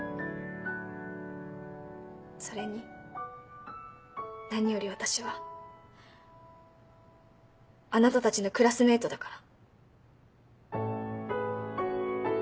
それに何より私はあなたたちのクラスメートだから。